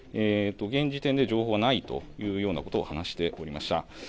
現時点で情報はないというようなことを話しておりました。